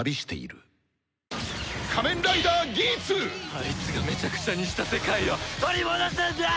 あいつがめちゃくちゃにした世界を取り戻すんだ！